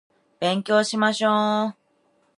勉強しましょう